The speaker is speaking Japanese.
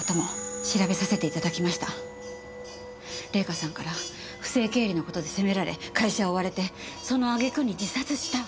玲香さんから不正経理の事で責められ会社を追われてその揚げ句に自殺した。